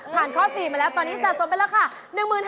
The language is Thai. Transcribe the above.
ผ่านข้อ๔มาแล้วตอนนี้สะสมเป็นราคา๑๕๐๐๐บาท